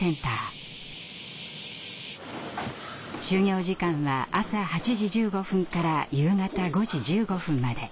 就業時間は朝８時１５分から夕方５時１５分まで。